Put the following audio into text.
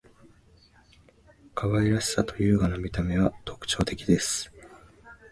可愛らしさと優雅な見た目は特徴的です．